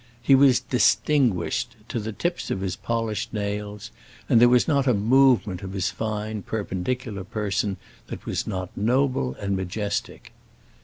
He was "distinguished" to the tips of his polished nails, and there was not a movement of his fine, perpendicular person that was not noble and majestic.